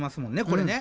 これね。